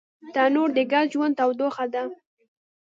تنور د ګډ ژوند تودوخه ده